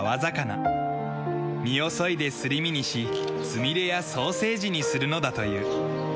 身をそいですり身にしつみれやソーセージにするのだという。